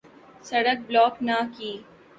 سڑک بلاک نہ کی۔